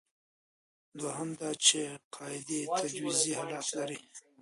دویم دا چې قاعدې تجویزي حالت لري.